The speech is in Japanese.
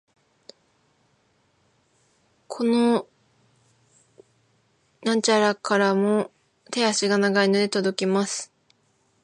この遠間からも手足が長いので届きます。